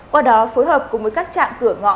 qua đó phối hợp cùng với các trạm cửa ngõ